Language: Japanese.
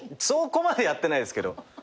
そこまでやってないですけど。